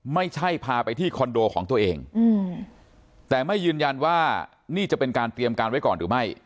ไม่ใช่พาไปที่คอนโดของตัวเองแต่ไม่ยืนยันว่านี่จะเป็นการเตรียมการไว้ก่อนหรือไม่